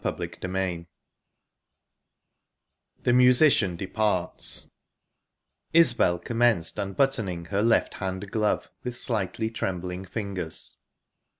Chapter XVI THE MUSICIAN DEPARTS Isbel commenced unbuttoning her left hand glove, with slightly trembling fingers.